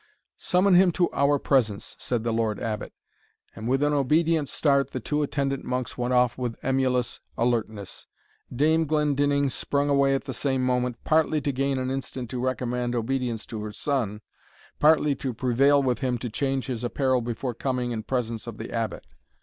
"Summon him to our presence," said the Lord Abbot; and with an obedient start the two attendant monks went off with emulous alertness. Dame Glendinning sprung away at the same moment, partly to gain an instant to recommend obedience to her son, partly to prevail with him to change his apparel before coming in presence of the Abbot.